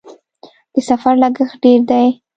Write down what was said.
د سفر لګښت ډیر دی؟